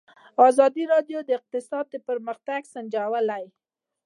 ازادي راډیو د اقتصاد پرمختګ سنجولی.